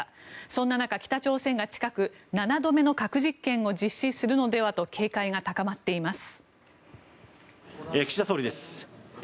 そんな中、北朝鮮が近く７度目の核実験を実施するのではと警戒が高まっています。